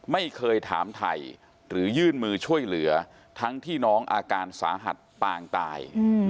ไม่เคยถามไทยหรือยื่นมือช่วยเหลือทั้งที่น้องอาการสาหัสปางตาย